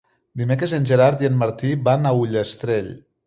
Dimecres en Gerard i en Martí van a Ullastrell.